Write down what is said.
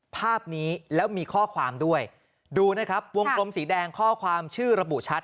ภาพนี้แล้วมีข้อความด้วยดูนะครับวงกลมสีแดงข้อความชื่อระบุชัด